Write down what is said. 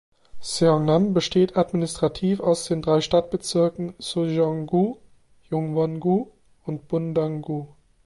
Seongnam besteht administrativ aus den drei Stadtbezirken Sujeong-gu, Jungwon-gu und Bundang-gu.